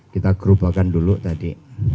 kita gerubahkan dulu tadi